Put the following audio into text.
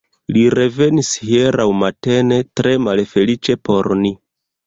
Li revenis hieraŭ matene, tre malfeliĉe por ni.